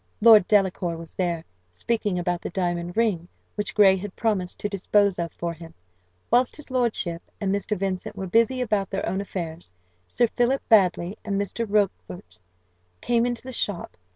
Lord Delacour was there, speaking about the diamond ring, which Gray had promised to dispose of for him. Whilst his lordship and Mr. Vincent were busy about their own affairs, Sir Philip Baddely and Mr. Rochfort came into the shop.